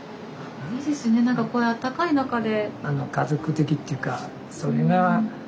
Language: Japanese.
いいですねなんかこういうあったかい中で。